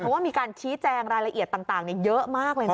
เพราะว่ามีการชี้แจงรายละเอียดต่างเยอะมากเลยนะ